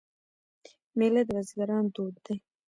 میله د بزګرانو دود دی.